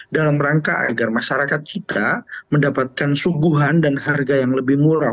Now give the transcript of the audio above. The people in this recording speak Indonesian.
dalam rangka agar masyarakat kita mendapatkan suguhan dan harga yang lebih murah